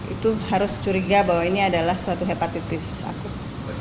itu harus curiga bahwa ini adalah suatu hepatitis akut